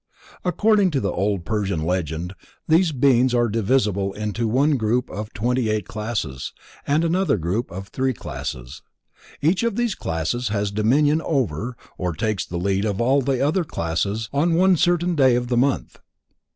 According to the old Persian legend these beings are divisible into one group of twenty eight classes, and another group of three classes. Each of these classes has dominion over, or takes the lead of all the other classes on one certain day of the month.